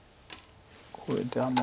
これで。